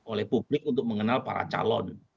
oleh publik untuk mengenal para calon